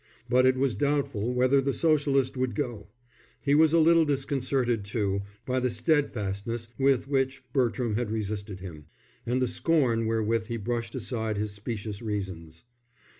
But it was doubtful whether the Socialist would go. He was a little disconcerted, too, by the steadfastness with which Bertram had resisted him, and the scorn wherewith he brushed aside his specious reasons.